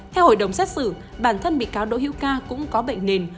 theo hội đồng xét xử bản thân bị cáo đỗ hiễu ca cũng có bệnh nền